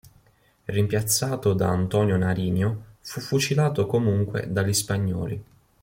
Rimpiazzato da Antonio Nariño, fu fucilato comunque dagli spagnoli.